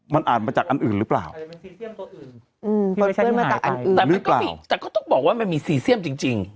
มันอ่านมาจากอันอื่นหรือเปล่าแต่ก็ต้องบอกว่ามันมีซีเซียมจริงจริง